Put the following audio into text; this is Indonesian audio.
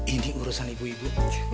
ini urusan ibu ibu